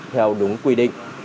theo đúng quy định